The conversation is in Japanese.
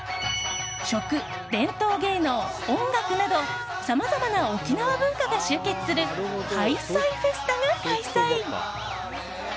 食、伝統芸能、音楽などさまざまな沖縄文化が集結するはいさいＦＥＳＴＡが開催。